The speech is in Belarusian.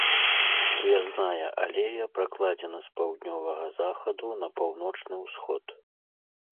Уязная алея пракладзена з паўднёвага захаду на паўночны ўсход.